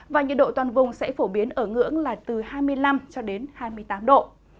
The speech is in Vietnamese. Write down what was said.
và nhiệt độ toàn vùng sẽ phổ biến ở ngưỡng là từ hai mươi năm hai mươi tám độ